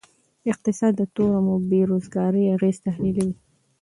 اقتصاد د تورم او بیروزګارۍ اغیز تحلیلوي.